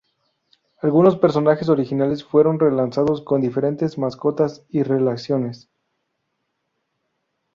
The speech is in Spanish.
Algunos personajes originales fueron relanzados con diferentes mascotas y relaciones.